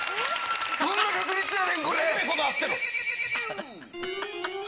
どんな確率やねんこれ。